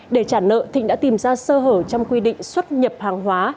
để trả nợ thịnh đã tìm ra sơ hở trong quy định xuất nhập hàng hóa